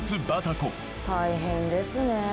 バタコ大変ですね